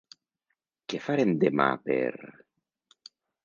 Què farem demà per...?